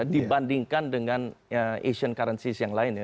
dibandingkan dengan asian currency yang lain